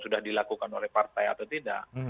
sudah dilakukan oleh partai atau tidak